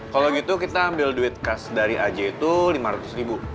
kalo gitu kita ambil duit kas dari aj itu lima ratus ribu